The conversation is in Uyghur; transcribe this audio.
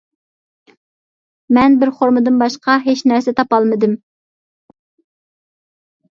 مەن بىر خورمىدىن باشقا ھېچ نەرسە تاپالمىدىم.